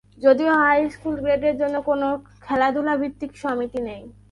যদিও high school গ্রেডের জন্য কোনও খেলাধূলা ভিত্তিক সমিতি নেই।